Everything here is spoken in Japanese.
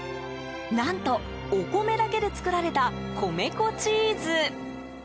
何と、お米だけで作られた米粉チーズ。